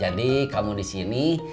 jadi kamu disini